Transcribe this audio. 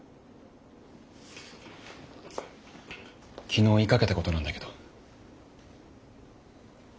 昨日言いかけたことなんだけど。